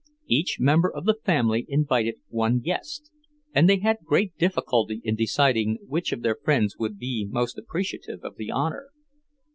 Each member of the family invited one guest, and they had great difficulty in deciding which of their friends would be most appreciative of the honour.